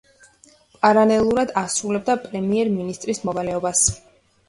პარალელურად ასრულებდა პრემიერ-მინისტრის მოვალეობას.